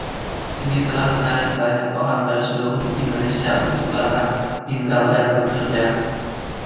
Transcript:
Ini telah menarik banyak orang dari seluruh Indonesia untuk datang, tinggal dan bekerja.